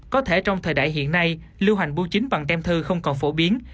có thể trong thời đại hiện nay lưu hành bưu chính bằng tem thư không còn phổ biến